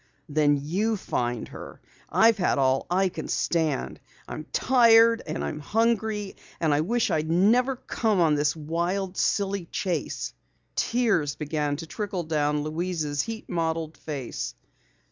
"Then you find her. I've had all I can stand. I'm tired and I'm hungry and I wish I'd never come on this wild, silly chase." Tears began to trickle down Louise's heat mottled face.